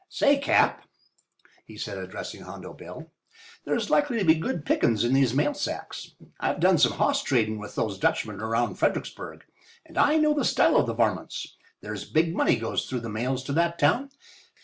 "Say, Cap," he said, addressing Hondo Bill, "there's likely to be good pickings in these mail sacks. I've done some hoss tradin' with these Dutchmen around Fredericksburg, and I know the style of the varmints. There's big money goes through the mails to that town.